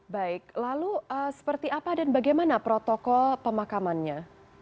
baik lalu seperti apa dan bagaimana protokol pemakamannya